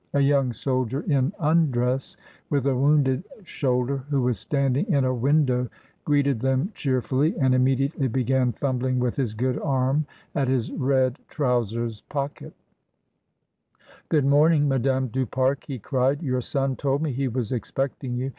A young soldier, in undress, with a wounded shoulder, who was standing in a window, greeted them cheer fully and immediately began fumbling with his good arm at his red trousers pocket "Good morning, Madame du Pare," he cried. "Your son told me he was expecting you.